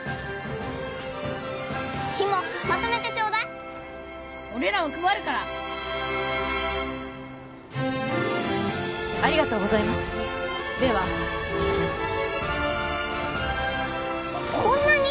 ひもまとめてちょうだい俺らも配るからありがとうございますではこんなに！？